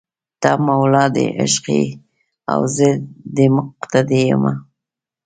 ته مولا دې عشق یې او زه دې مقتدي یمه